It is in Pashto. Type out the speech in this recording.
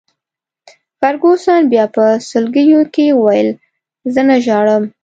فرګوسن بیا په سلګیو کي وویل: زه نه ژاړم.